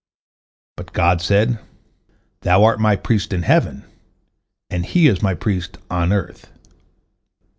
But God said, "Thou art My priest in heaven, and he is My priest on earth."